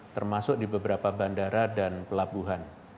termasuk di beberapa bandara dan pelabuhan